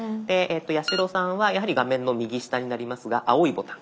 八代さんはやはり画面の右下になりますが青いボタン。